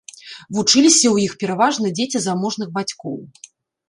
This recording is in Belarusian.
Вучыліся ў іх пераважна дзеці заможных бацькоў.